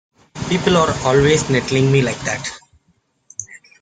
People are always nettling me like that.